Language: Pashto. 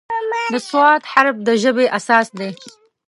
د "ص" حرف د ژبې اساس دی.